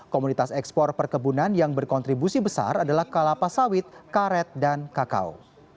komunitas ekspor perkebunan yang berkontribusi besar adalah kalapas sawit karet dan kakao